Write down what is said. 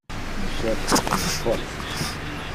Mi chef es un folle.